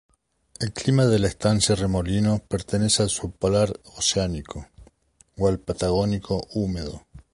El clima de la estancia Remolino pertenece al subpolar oceánico, o al "patagónico húmedo".